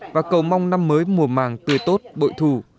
và cầu mong năm mới mùa màng tươi tốt bội thù